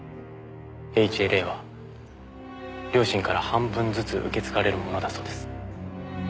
ＨＬＡは両親から半分ずつ受け継がれるものだそうです。